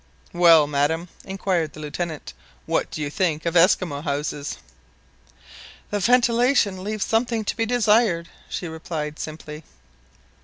"Well, madam," inquired the Lieutenant, "what do you think of Esquimaux houses?" "The ventilation leaves something to be desired !" she replied simply.